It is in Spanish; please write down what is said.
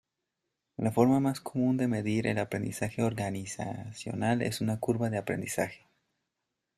La forma más común de medir el aprendizaje organizacional es una curva de aprendizaje.